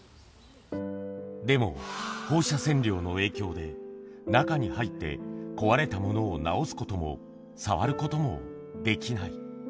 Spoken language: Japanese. でも、放射線量の影響で、中に入って壊れたものを直すことも、触ることもできない。